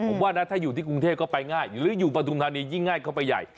ผมว่านะถ้าอยู่ที่กรุงเทพก็ไปง่ายหรืออยู่ปฐุมธานียิ่งง่ายเข้าไปใหญ่